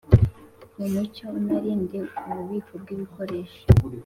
mu mucyo anarinde ububiko bw ibikoresho